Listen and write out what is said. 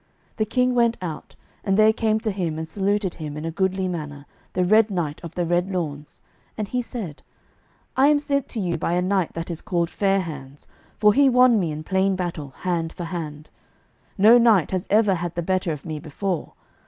The King went out, and there came to him and saluted him in a goodly manner the Red Knight of the Red Lawns, and he said, "I am sent to you by a knight that is called Fair hands, for he won me in plain battle, hand for hand. No knight has ever had the better of me before.